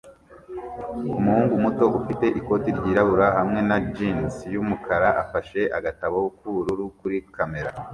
Umuhungu muto ufite ikoti ryirabura hamwe na jans yumukara afashe agatabo k'ubururu kuri kamera